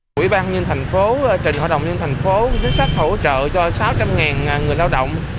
quỹ ban nhân thành phố trình hội đồng nhân thành phố chính sách hỗ trợ cho sáu trăm linh người lao động